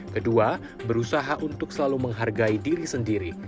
kedua berusaha untuk selalu menghargai diri sendiri